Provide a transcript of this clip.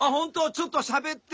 ちょっとしゃべって。